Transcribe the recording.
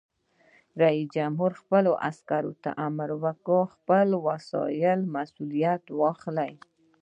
رئیس جمهور خپلو عسکرو ته امر وکړ؛ د خپلو وسایلو مسؤلیت واخلئ!